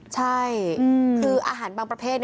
ใช่คืออาหารบางประเภท